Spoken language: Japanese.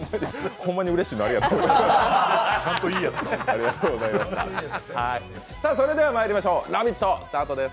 ほんまにうれしいの、ありがとうございます。